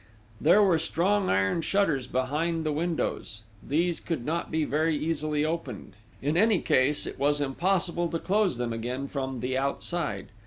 There were strong iron shutters behind the windows: these could not be very easily opened: in any case, it was impossible to close them again from the outside.